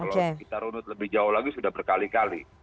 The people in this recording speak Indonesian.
kalau kita runut lebih jauh lagi sudah berkali kali